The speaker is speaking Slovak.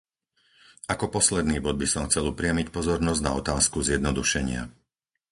Ako posledný bod by som chcel upriamiť pozornosť na otázku zjednodušenia.